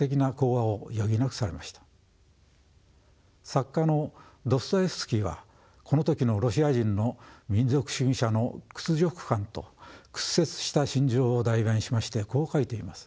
作家のドストエフスキーはこの時のロシア人の民族主義者の屈辱感と屈折した心情を代弁しましてこう書いています。